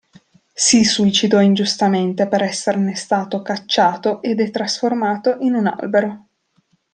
Si suicidò ingiustamente per esserne stato cacciato ed è trasformato in un albero.